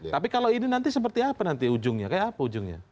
tapi kalau ini nanti seperti apa nanti ujungnya kayak apa ujungnya